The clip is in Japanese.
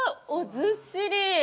ずっしり。